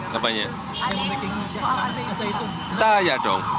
bapak alih soal azaitun